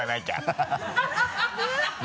ハハハ